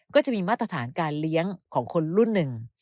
ก็จะมีมาตรฐานการเลี้ยงของคนรุ่นหนึ่ง